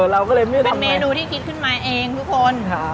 เราก็เลยไม่เป็นเมนูที่คิดขึ้นมาเองทุกคน